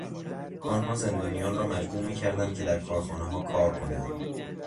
آنها زندانیان را مجبور میکردند که در کارخانهها کار کنند.